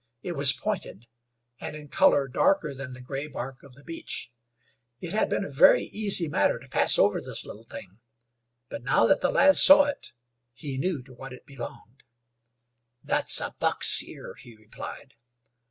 It was pointed, and in color darker than the gray bark of the beech. It had been a very easy matter to pass over this little thing; but now that the lad saw it, he knew to what it belonged. "That's a buck's ear," he replied.